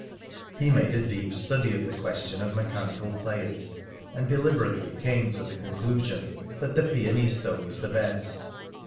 He made a deep study of the question of mechanical players, and deliberately came to the conclusion that the "Pianisto" was the best.